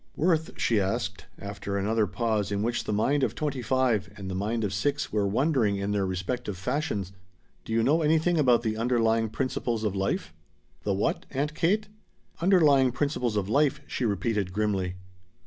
"Worth," she asked, after another pause in which the mind of twenty five and the mind of six were wondering in their respective fashions, "do you know anything about the underlying principles of life?" "The what, Aunt Kate?" "Underlying principles of life," she repeated grimly.